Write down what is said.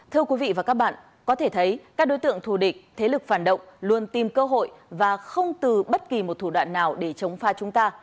thưa quý vị và các bạn có thể thấy các đối tượng thù địch thế lực phản động luôn tìm cơ hội và không từ bất kỳ một thủ đoạn nào để chống pha chúng ta